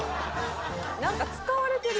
「なんか使われてる」